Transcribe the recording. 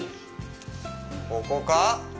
ここか？